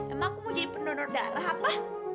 emang aku mau jadi pendonor darah apa